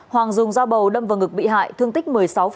hoàng dùng dao bầu đâm vào ngực bị hại thương tích một mươi sáu